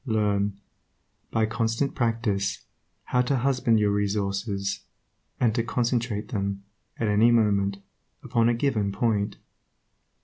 Learn, by constant practice, how to husband your resources, and to concentrate them, at any moment, upon a given point.